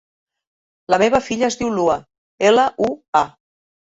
La meva filla es diu Lua: ela, u, a.